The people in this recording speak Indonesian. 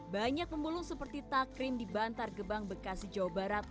banyak pemulung seperti takrin di bantar gebang bekasi jawa barat